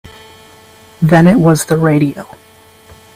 Then it was the radio.